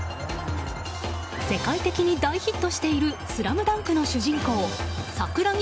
世界的に大ヒットしている「ＳＬＡＭＤＵＮＫ」の主人公桜木